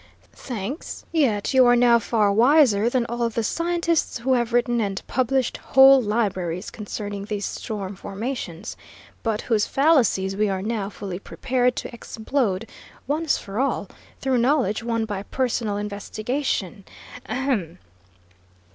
"Thanks. Yet you are now far wiser than all of the scientists who have written and published whole libraries concerning these storm formations, but whose fallacies we are now fully prepared to explode, once for all, through knowledge won by personal investigation ahem!"